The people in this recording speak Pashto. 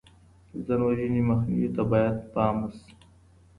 د ځان وژنې مخنيوي ته بايد پام وشي.